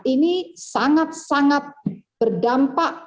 dan ini sangat sangat berdampak